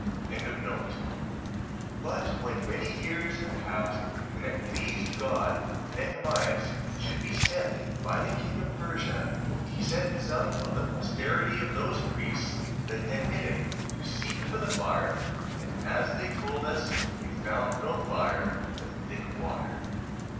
1:20. But when many years had passed, and it pleased God that Nehemias should be sent by the king of Persia, he sent some of the posterity of those priests that had hid it, to seek for the fire: and as they told us, they found no fire, but thick water.